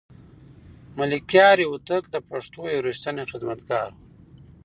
ملکیار هوتک د پښتو یو رښتینی خدمتګار و.